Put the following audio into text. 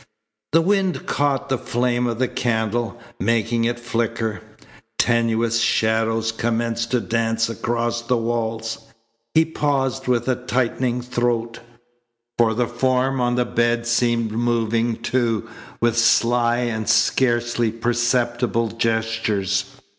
The wind caught the flame of the candle, making it flicker. Tenuous shadows commenced to dance across the walls. He paused with a tightening throat, for the form on the bed seemed moving, too, with sly and scarcely perceptible gestures.